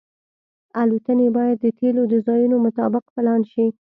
الوتنې باید د تیلو د ځایونو مطابق پلان شي